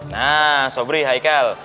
nah sobri haikal